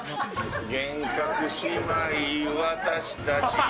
幻覚姉妹、私たち。